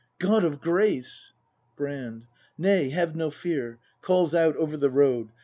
God of grace ! Brand. Nay, have no fear [Calls out over the road.